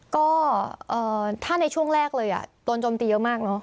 ก็ถ้าในช่วงแรกเลยโดนโจมตีเยอะมากเนอะ